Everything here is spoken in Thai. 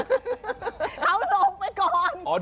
เขาลงไปก่อน